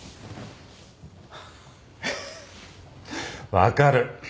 分かる。